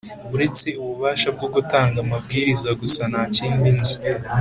Uretse ububasha bwo gutanga amabwiriza gusa ntakindi nzi